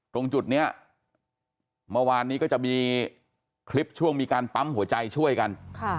ตรงจุดนี้เมื่อวานนี้ก็จะมีคลิปช่วงมีการปั๊มหัวใจช่วยกัน